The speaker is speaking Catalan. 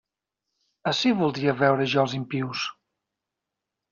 Ací voldria veure jo els impius.